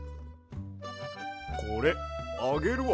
これあげるわ。